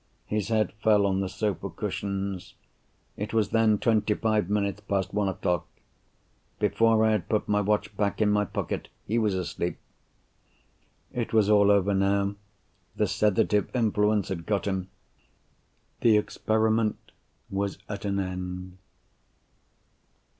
His head fell on the sofa cushions. It was then twenty five minutes past one o'clock. Before I had put my watch back in my pocket, he was asleep. It was all over now. The sedative influence had got him; the experiment was at an end.